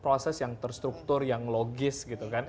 proses yang terstruktur yang logis gitu kan